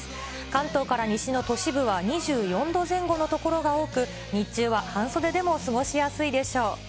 関東から西の都市部は２４度前後の所が多く、日中は半袖でも過ごしやすいでしょう。